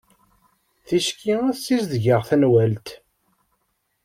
Ticki ad ssizdgeɣ tanwalt.